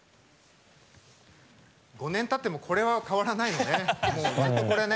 ５年たっても、これは変わらないのね、これね。